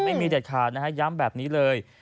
ไม่มีเด็ดขาดนะย้ำแบบนี้เลย